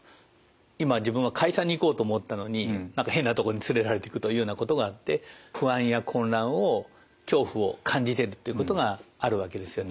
今自分は会社に行こうと思ったのに何か変なとこに連れられていくというようなことがあって不安や混乱を恐怖を感じてるってことがあるわけですよね。